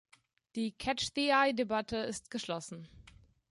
Die "catch-the-eye‟-Debatte ist geschlossen.